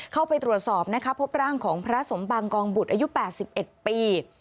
เข้าไปตรวจสอบนะคะพบร่างของพระสมบังกองบุตรอายุ๘๑ปี